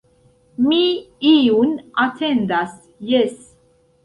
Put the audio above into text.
Mi iun atendas, jes!